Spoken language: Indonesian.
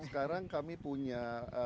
sekarang kami punya